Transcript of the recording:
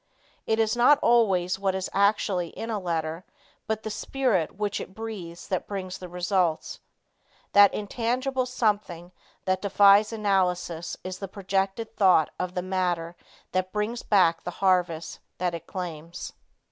It is not always what is actually in a letter, but the spirit which it breathes that brings results. That intangible something that defies analysis is the projected thought of the master that brings back the harvest that it claims.